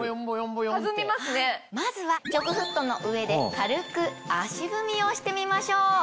まずはジョグフットの上で軽く足踏みをしてみましょう。